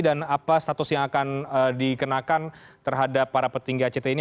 dan apa status yang akan dikenakan terhadap para petinggi act ini